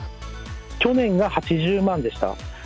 去年が８０万円でした。